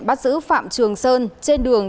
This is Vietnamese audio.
bắt giữ phạm trường sơn trên đường